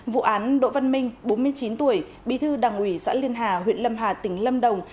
vụ án đỗ văn minh bốn mươi chín tuổi bí thư đảng ủy xã liên hà huyện lâm hà tỉnh lâm đồng